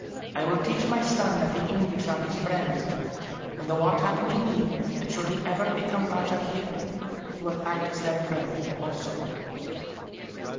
I will teach my son that the English are his friends and, should aught happen to me, and should he ever become rajah here, he will act as their friend, also."